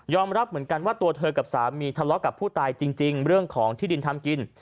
รับเหมือนกันว่าตัวเธอกับสามีทะเลาะกับผู้ตายจริงเรื่องของที่ดินทำกิน